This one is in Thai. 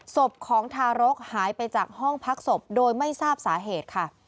ศพของทารกหายไปจากห้องพักศพโดยไม่ทราบสาเหตุค่ะ